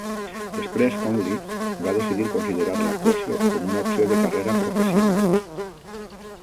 Després Conley va decidir considerar l"actuació com una opció de carrera professional.